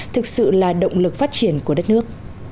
thực sự là động lực phát triển của đất nước